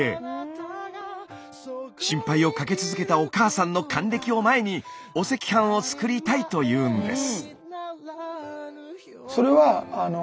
心配をかけ続けたお母さんの還暦を前にお赤飯を作りたいというんです。